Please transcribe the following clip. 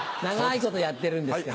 長いことやってるんで。